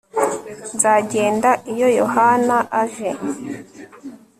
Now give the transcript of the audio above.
Nzagenda iyo Yohana aje